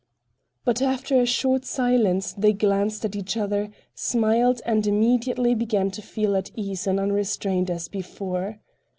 But after a short silence they glanced at each other, smiled and immediately began to feel at ease and unrestrained, as before.